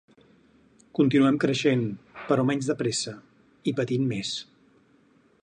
Continuem creixent, però menys de pressa… i patint més.